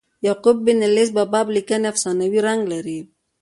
د یعقوب بن لیث په باب لیکني افسانوي رنګ لري.